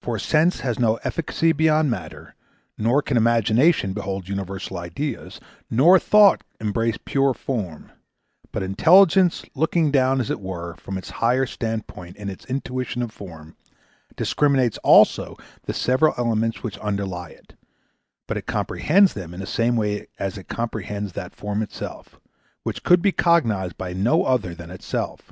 For Sense has no efficacy beyond matter, nor can Imagination behold universal ideas, nor Thought embrace pure form; but Intelligence, looking down, as it were, from its higher standpoint in its intuition of form, discriminates also the several elements which underlie it; but it comprehends them in the same way as it comprehends that form itself, which could be cognized by no other than itself.